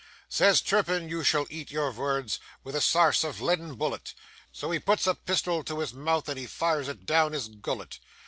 II Says Turpin, 'You shall eat your words, With a sarse of leaden bul let;' So he puts a pistol to his mouth, And he fires it down his gul let.